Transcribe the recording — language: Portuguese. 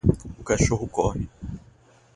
O cachorro corre.